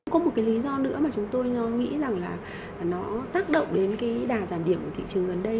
có một lý do nữa mà chúng tôi nghĩ là nó tác động đến đà giảm điểm của thị trường gần đây